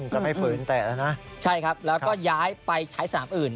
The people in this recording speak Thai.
จะไม่ฝืนเตะแล้วนะใช่ครับแล้วก็ย้ายไปใช้สนามอื่น